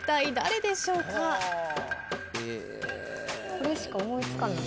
これしか思い付かない。